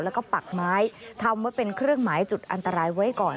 แล้วก็ปักไม้ทำไว้เป็นเครื่องหมายจุดอันตรายไว้ก่อน